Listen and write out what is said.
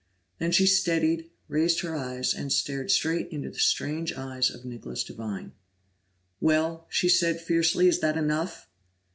Then she steadied, raised her eyes, and stared straight into the strange eyes of Nicholas Devine. "Well?" she said fiercely. "Is that enough?"